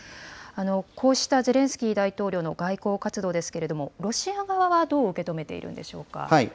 こうしたゼレンスキー大統領の外交活動ですけれども、ロシア側はどう受け止めているんでしょうか。